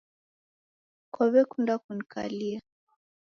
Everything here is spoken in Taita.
Kwawekunda kunikalia